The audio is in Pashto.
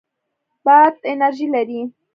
باد انرژي لري.